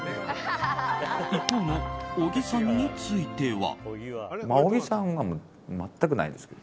一方の小木さんについては。